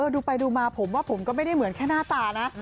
ดูไปดูมาผมว่าผมก็ไม่ได้เหมือนแค่หน้าตานะ